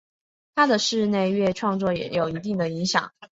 他的室内乐创作也有一定影响。